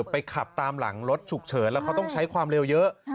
ไปขับตามหลังรถฉุกเฉินแล้วเขาต้องใช้ความเร็วเยอะ